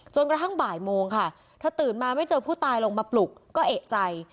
กระทั่งบ่ายโมงค่ะเธอตื่นมาไม่เจอผู้ตายลงมาปลุกก็เอกใจ